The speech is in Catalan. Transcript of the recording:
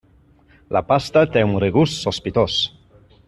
La pasta té un regust sospitós.